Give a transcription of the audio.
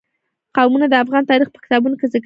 قومونه د افغان تاریخ په کتابونو کې ذکر شوی دي.